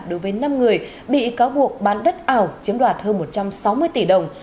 đối với năm người bị cáo buộc bán đất ảo chiếm đoạt hơn một trăm sáu mươi tỷ đồng